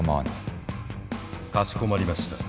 かしこまりました。